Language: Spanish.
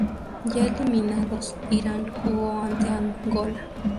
Ya eliminados, Irán jugó ante Angola.